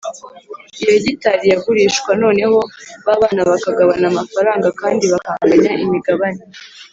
iyo hegitari yagurishwa noneho ba bana bakagabana amafaranga, kandi bakanganya imigabane.